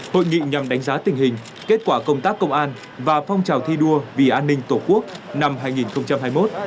hội nghị nhằm đánh giá tình hình kết quả công tác công an và phong trào thi đua vì an ninh tổ quốc năm hai nghìn hai mươi một